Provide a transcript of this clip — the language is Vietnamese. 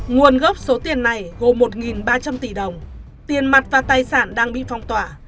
nguồn gốc số tiền này gồm một ba trăm linh tỷ đồng tiền mặt và tài sản đang bị phong tỏa